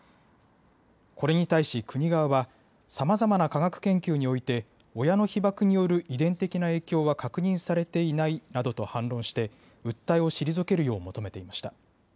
これに対し国側はさまざまな科学研究において親の被爆による遺伝的な影響は確認されていないなどと反論して訴えを退けるよう求めていました。